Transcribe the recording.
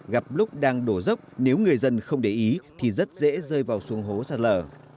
gặp lúc đang đổ dốc nếu người dân không để ý thì rất dễ rơi vào xuống hố sạt lở